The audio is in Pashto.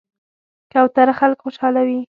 کوتره خلک خوشحالوي.